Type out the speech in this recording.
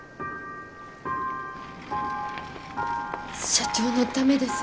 社長のためです。